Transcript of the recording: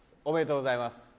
おめでとうございます。